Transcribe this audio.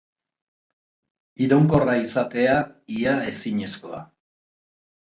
Iraunkorra izatea, ia ezinezkoa.